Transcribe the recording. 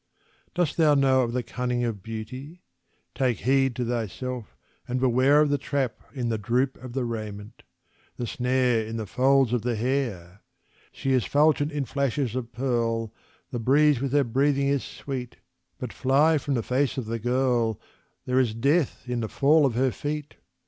Dost thou know of the cunning of Beauty? Take heed to thyself and beware Of the trap in the droop in the raiment the snare in the folds of the hair! She is fulgent in flashes of pearl, the breeze with her breathing is sweet, But fly from the face of the girl there is death in the fall of her feet!